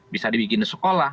bisa dibikin sekolah